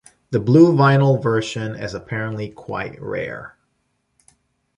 The blue vinyl version is apparently quite rare.